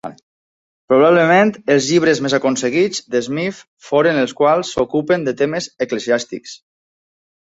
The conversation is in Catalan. Probablement els llibres més aconseguits de Smith foren els quals s'ocupen de temes eclesiàstics.